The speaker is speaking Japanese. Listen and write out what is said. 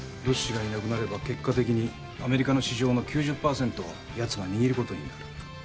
ロッシがいなくなれば結果的にアメリカの市場の９０％をやつが握ることになる。